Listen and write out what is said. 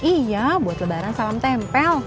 iya buat lebaran salam tempel